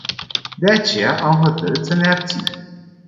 De aceea, am hotărât să ne abținem.